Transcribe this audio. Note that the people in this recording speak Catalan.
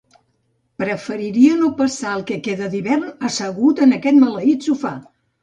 Preferiria no passar el que queda d'hivern assegut en aquest maleït sofà!